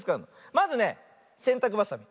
まずねせんたくばさみ。